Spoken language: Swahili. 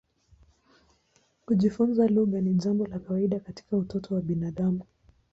Kujifunza lugha ni jambo la kawaida katika utoto wa binadamu.